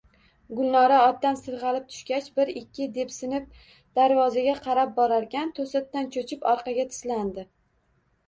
Gulnora otdan sirgʼalib tushgach, bir-ikki depsinib darvozaga qarab borarkan, toʼsatdan choʼchib, orqaga tislandi.